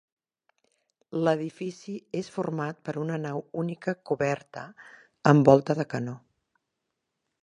L'edifici és format per una nau única coberta amb volta de canó.